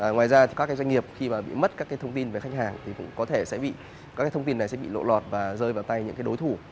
ngoài ra thì các doanh nghiệp khi mà bị mất các thông tin về khách hàng thì cũng có thể sẽ bị lộ lọt và rơi vào tay những đối thủ